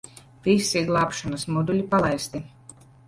Visi glābšanas moduļi palaisti.